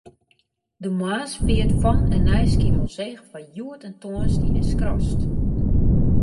De moarnsfeart fan en nei Skiermûntseach foar hjoed en tongersdei is skrast.